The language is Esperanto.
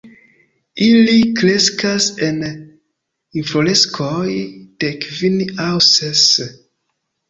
Ili kreskas en infloreskoj de kvin aŭ ses.